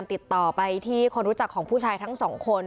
ติดต่อไปที่คนรู้จักของผู้ชายทั้งสองคน